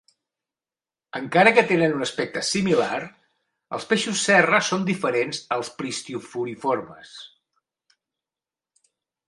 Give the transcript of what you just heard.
Encara que tenen un aspecte similar, els peixos serra són diferents als pristioforiformes.